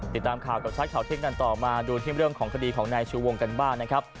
ติดตามข่าวกับชัดข่าวเที่ยงกันต่อมาดูที่เรื่องของคดีของนายชูวงกันบ้างนะครับ